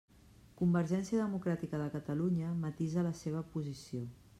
Convergència Democràtica de Catalunya matisa la seva posició.